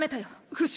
フシ！